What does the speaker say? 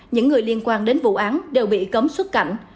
những người liên quan đến vụ án đều bị cấm xuất cảnh